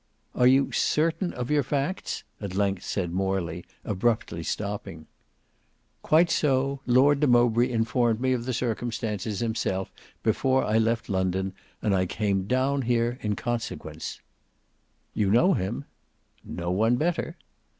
"Are you certain of your facts?" at length said Morley abruptly stopping. "Quite so; Lord de Mowbray informed me of the circumstances himself before I left London, and I came down here in consequence." "You know him?" "No one better."